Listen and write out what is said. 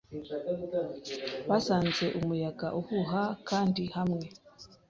Basanze umuyaga uhuha Kandi hamwe